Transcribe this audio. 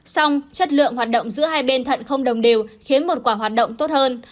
xong chất lượng hoạt động giữa hai bên thận không đồng đều khiến một quả hoạt động tốt hơn